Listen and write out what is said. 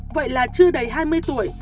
vậy là chưa đầy hai mươi tuổi